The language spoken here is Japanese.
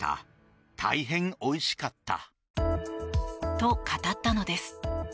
と、語ったのです。